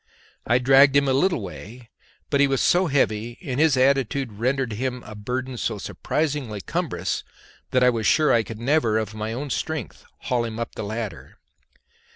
I dragged him a little way, but he was so heavy and his attitude rendered him as a burthen so surprisingly cumbrous that I was sure I could never of my own strength haul him up the ladder.